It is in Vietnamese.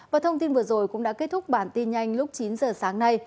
và thông tin vừa rồi cũng đã kết thúc bản tin nhanh lúc chín giờ sáng nay